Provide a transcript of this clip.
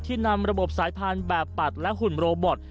นำระบบสายพันธุ์แบบปัดและหุ่นโรบอต